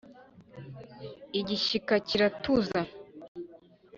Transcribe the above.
Igishyika kiratuza